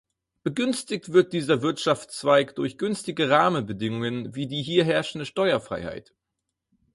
Begünstigt wird dieser Wirtschaftszweig durch günstige Rahmenbedingungen wie die hier herrschende Steuerfreiheit.